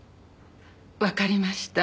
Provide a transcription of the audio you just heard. わかりました。